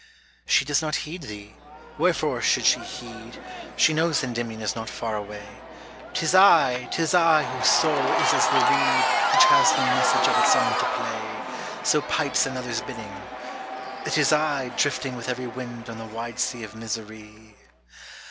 She does not heed 'thee, wherefore should she heed, She knows Endymion is not far away, 'Tis I, 'tis I, whose soul is as the reed Which has no message of its own to play, So pipes another's bidding, it is I, Drifting with every wind on the wide sea of misery.